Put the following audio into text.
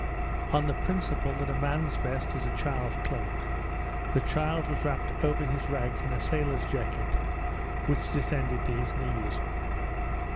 On the principle that a man's vest is a child's cloak, the child was wrapped over his rags in a sailor's jacket, which descended to his knees.